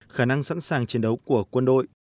khả năng sẵn sàng chiến đấu của quân đội